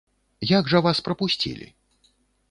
Як жа вас прапусцілі?